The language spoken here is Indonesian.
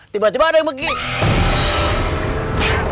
tiba tiba ada yang begini